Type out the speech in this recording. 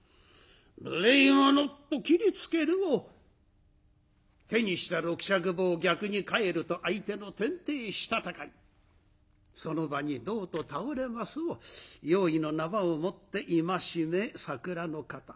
「無礼者！」と斬りつけるも手にした六尺棒を逆に返ると相手の天庭したたかにその場にどうと倒れますを用意の縄を持っていましめ桜の方。